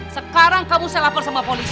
sekarang kamu selapor sama polisi